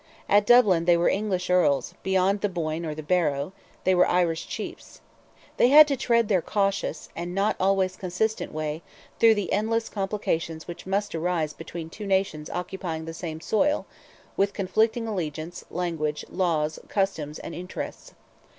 At Dublin they were English Earls, beyond the Boyne or the Barrow, they were Irish chiefs. They had to tread their cautious, and not always consistent way, through the endless complications which must arise between two nations occupying the same soil, with conflicting allegiance, language, laws, customs, and interests.